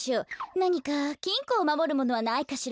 なにかきんこをまもるものはないかしら？